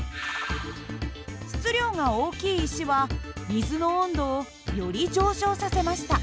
質量が大きい石は水の温度をより上昇させました。